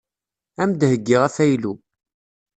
Ad am-d-heyyiɣ afaylu.